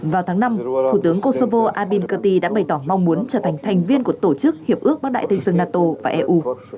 vào tháng năm thủ tướng kosovo abin cuati đã bày tỏ mong muốn trở thành thành viên của tổ chức hiệp ước bắc đại tây dương nato và eu